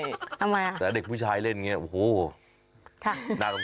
ทำไมล่ะแต่เด็กผู้ชายเล่นอย่างนี้โอ้โฮ